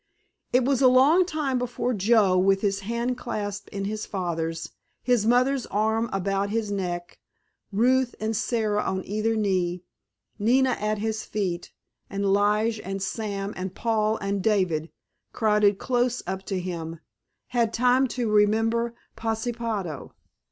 It was a long time before Joe, with his hand clasped in his father's, his mother's arm about his neck, Ruth and Sara on either knee, Nina at his feet, and Lige and Sam and Paul and David crowded close up to him, had time to remember Pashepaho.